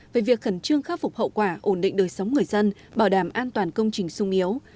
về việc khẩn trương khắc phục hậu quả ổn định đời sống người dân bảo đảm an toàn công trình sung yếu